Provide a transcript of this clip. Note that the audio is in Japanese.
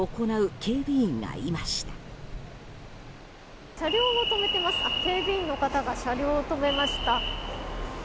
警備員の方が車両を止めました。